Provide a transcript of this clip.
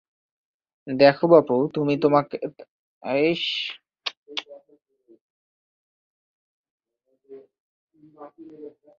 দেখো বাপু, আমি তোমাকে পরে খুব খুশি করিব, তুমি আমার কথা রাখো।